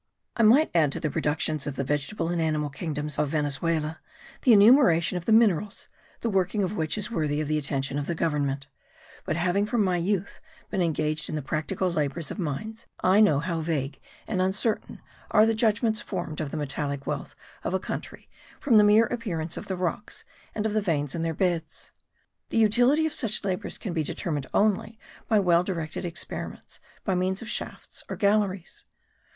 I might add to the productions of the vegetable and animal kingdoms of Venezuela the enumeration of the minerals, the working of which is worthy the attention of the government; but having from my youth been engaged in the practical labours of mines I know how vague and uncertain are the judgments formed of the metallic wealth of a country from the mere appearance of the rocks and of the veins in their beds. The utility of such labours can be determined only by well directed experiments by means of shafts or galleries.